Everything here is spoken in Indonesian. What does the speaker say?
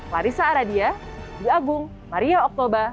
larissa aradia ibu agung maria oktober dan saya